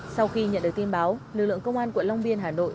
sau khi nhận được tin báo lực lượng công an quận long biên hà nội